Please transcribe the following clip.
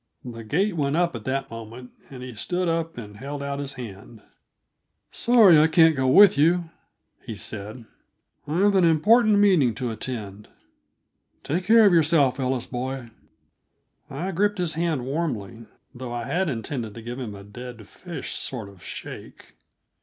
The gate went up at that moment, and he stood up and held out his hand. "Sorry I can't go over with you," he said. "I've an important meeting to attend. Take care of yourself, Ellie boy." I gripped his hand warmly, though I had intended to give him a dead fish sort of shake.